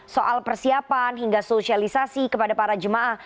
soal persiapan hingga sosialisasi kepada para jemaah